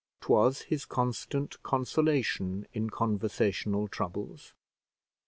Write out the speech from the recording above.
'Twas his constant consolation in conversational troubles.